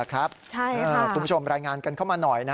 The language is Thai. คุณผู้ชมรายงานกันเข้ามาหน่อย